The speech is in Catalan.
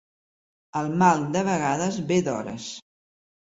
El mal de vegades ve d'hores.